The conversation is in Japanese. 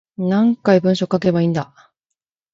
何回文章書けばいいんだ